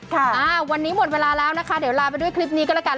ค่ะอ่าวันนี้หมดเวลาแล้วนะคะเดี๋ยวลาไปด้วยคลิปนี้ก็แล้วกัน